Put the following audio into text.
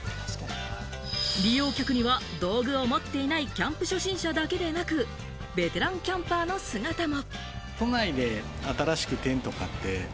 利用客には道具を持っていないキャンプ初心者だけでなく、ベテランキャンパーの姿も。